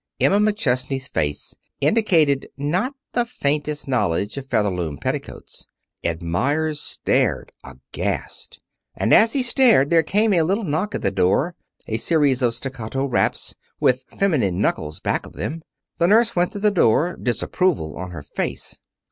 Emma McChesney's face indicated not the faintest knowledge of Featherloom Petticoats. Ed Meyers stared, aghast. And as he stared there came a little knock at the door a series of staccato raps, with feminine knuckles back of them. The nurse went to the door, disapproval on her face.